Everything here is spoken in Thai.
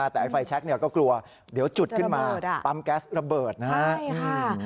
แต่ไอไฟแช็คก็กลัวเดี๋ยวจุดขึ้นมาปั๊มแก๊สระเบิดนะครับ